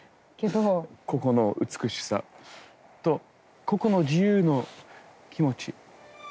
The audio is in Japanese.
ここの美しさとここの自由の気持ち。